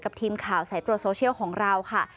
ทีมข่าวสายตรวจโซเชียลของเราค่ะ